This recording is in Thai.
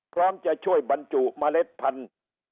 พร้อมจะช่วยบรรจุเมล็ดพันธุ์